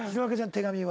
手紙は？